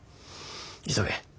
急げ。